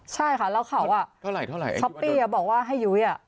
ใช่ค่ะแล้วเขาอ่ะเท่าไหร่ช้อปปี้อ่ะบอกว่าให้ยุ้ยอ่ะ